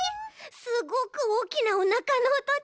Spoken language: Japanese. すごくおおきなおなかのおとだち。